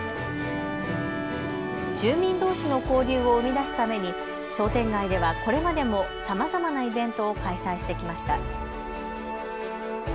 住民どうしの交流を生み出すために商店街ではこれまでもさまざまなイベントを開催してきました。